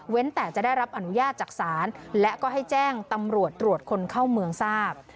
แต่จะได้รับอนุญาตจากศาลและก็ให้แจ้งตำรวจตรวจคนเข้าเมืองทราบ